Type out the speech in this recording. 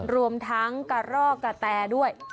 รวมทั้งกระรอกกะแตด้วย